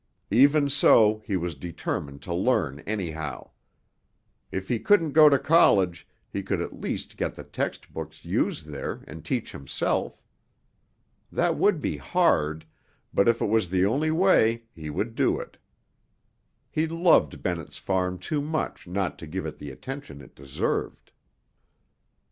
Even so he was determined to learn anyhow. If he couldn't go to college, he could at least get the textbooks used there and teach himself. That would be hard, but if it was the only way, he would do it. He loved Bennett's Farm too much not to give it the attention it deserved.